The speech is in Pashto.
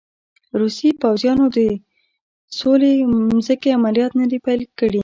روسي پوځیانو د سوځولې مځکې عملیات نه دي پیل کړي.